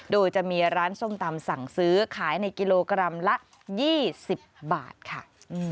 โดยจะมีร้านส้มตำสั่งซื้อขายในกิโลกรัมละ๒๐บาทค่ะ